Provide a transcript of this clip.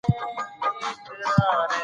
صبر او زغم د بریا لار ده.